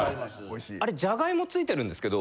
あれジャガイモ付いてるんですけど。